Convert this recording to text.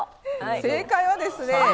正解はですね